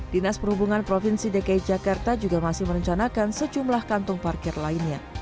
dinas perhubungan provinsi dki jakarta juga masih merencanakan sejumlah kantong parkir lainnya